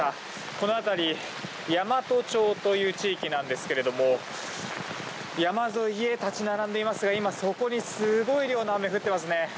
この辺り山都町という地域なんですけども山沿い、家が立ち並んでいますがそこに、すごい量の雨が降っていますね。